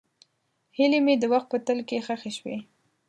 هیلې مې د وخت په تل کې ښخې شوې.